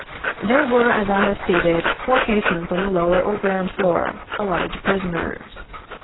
There were as I have stated, four casemates on the lower or ground floor, allotted to prisoners.